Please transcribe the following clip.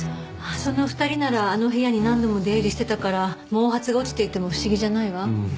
その２人ならあの部屋に何度も出入りしていたから毛髪が落ちていても不思議じゃないわ。